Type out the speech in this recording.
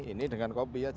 ini dengan kopi saja